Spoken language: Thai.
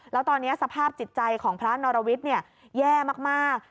แล้วตอนนี้สภาพจิตใจของพระนรวิทย์แย่มาก